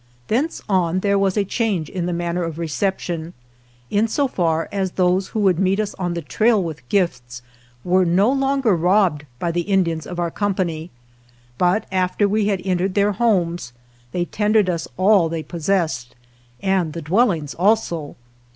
Thence on there was a change in the man ner of reception, insofar as those who would meet us on the trail with gifts were no longer robbed by the Indians of our com pany, but after we had entered their homes they tendered us all they possessed, and the dwellings also.